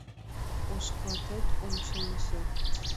Ош клатет ончылныжо